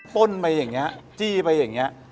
้นไปอย่างนี้จี้ไปอย่างนี้